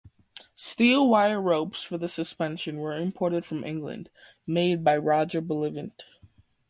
Steel wire ropes for the suspension were imported from England (made by Roger Bullivant).